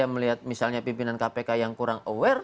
melihat misalnya pimpinan kpk yang kurang aware